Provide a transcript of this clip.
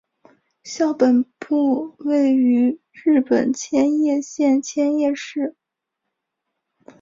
校本部位于日本千叶县千叶市。